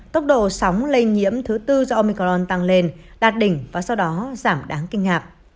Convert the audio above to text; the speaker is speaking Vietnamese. tốc độ sóng lây nhiễm thứ tư do omicron tăng lên đạt đỉnh và sau đó giảm đáng kinh ngạc